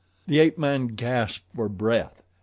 The ape man gasped for breath.